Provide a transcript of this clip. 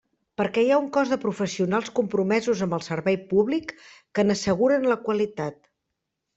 Perquè hi ha un cos de professionals compromesos amb el servei públic que n'asseguren la qualitat.